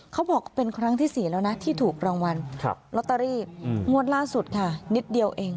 เขาบอกเป็นครั้งที่๔แล้วนะที่ถูกรางวัลลอตเตอรี่งวดล่าสุดค่ะนิดเดียวเอง